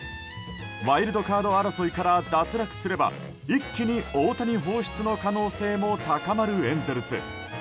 ワイルドカード争いから脱落すれば一気に大谷放出の可能性も高まるエンゼルス。